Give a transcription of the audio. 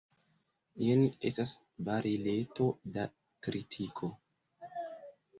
Jen estas bareleto da tritiko.